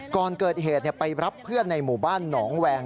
ก่อนเกิดเหตุไปรับเพื่อนในหมู่บ้านหนองแวง